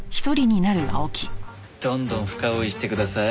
どんどん深追いしてください。